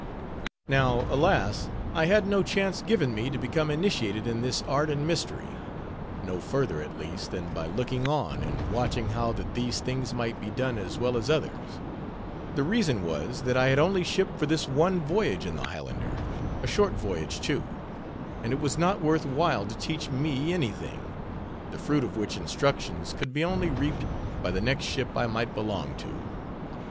Now, alas! I had no chance given me to become initiated in this art and mystery; no further, at least, than by looking on, and watching how that these things might be done as well as others, the reason was, that I had only shipped for this one voyage in the Highlander, a short voyage too; and it was not worth while to teach me any thing, the fruit of which instructions could be only reaped by the next ship I might belong to.